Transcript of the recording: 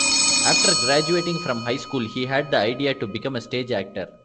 After graduating from high school, he had the idea to become a stage actor.